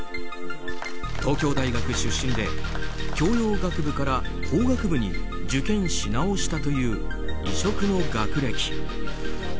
東京大学出身で教養学部から法学部に受験し直したという異色の学歴。